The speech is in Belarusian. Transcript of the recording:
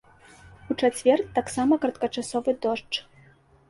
У чацвер таксама кароткачасовы дождж.